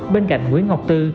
bên cạnh nguyễn ngọc tư